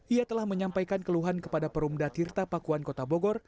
ia telah menyampaikan keluhan kepada perumda tirta pakuan kota bogor